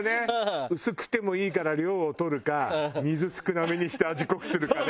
薄くてもいいから量を取るか水少なめにして味濃くするかね。